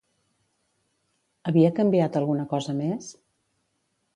Havia canviat alguna cosa més?